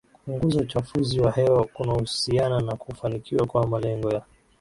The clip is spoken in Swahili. kupunguza uchafuzi wa hewa kunahusiana na kufanikiwa kwa Malengo ya